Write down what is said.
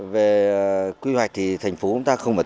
về quy hoạch thì thành phố chúng ta không phải